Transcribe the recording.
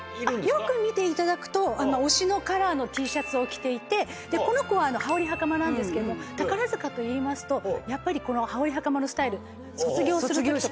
よく見ていただくと推しのカラーのＴシャツを着ていてこのコは羽織袴なんですけど宝塚といいますとやっぱりこの羽織袴のスタイル。